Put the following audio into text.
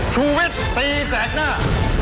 ชูเวทตีแสดหน้า